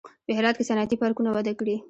په هرات کې صنعتي پارکونه وده کړې